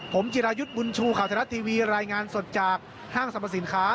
ผมจิรายุทธ์บุญชูข่าวไทยรัฐทีวีรายงานสดจากห้างสรรพสินค้า